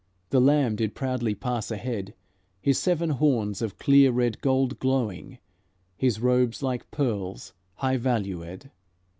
The Lamb did proudly pass ahead, His seven horns of clear red gold glowing, His robes like pearls high valuèd.